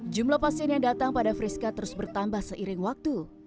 jumlah pasien yang datang pada friska terus bertambah seiring waktu